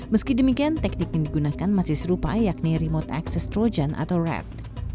meski demikian teknik yang digunakan masih serupa yakni remote access trojan atau rad